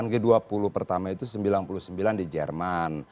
g dua puluh pertama itu sembilan puluh sembilan di jerman